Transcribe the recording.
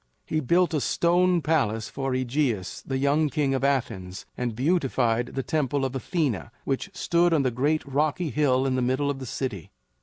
He built a stone palace for AEgeus, the young king of Athens, and beautified the Temple of Athena which stood on the great rocky hill in the middle of the city.